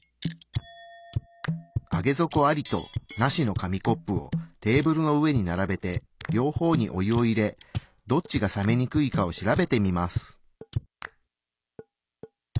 上げ底ありとなしの紙コップをテーブルの上に並べて両方にお湯を入れどっちが冷めにくいかを調べてみます。